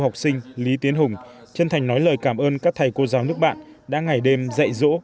học sinh lý tiến hùng chân thành nói lời cảm ơn các thầy cô giáo nước bạn đã ngày đêm dạy dỗ